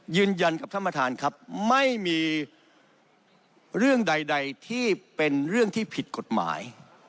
ยืนยันกับท่านประธานครับไม่มีเรื่องใดที่เป็นเรื่องที่ผิดกฎหมาย